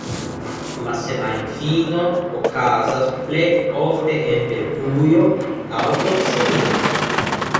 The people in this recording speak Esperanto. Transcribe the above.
La semajnfino okazas plej ofte en Belgujo aŭ proksime.